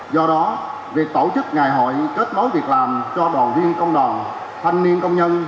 do đó việc tổ chức ngày hội kết nối việc làm cho đoàn viên công đoàn thanh niên công nhân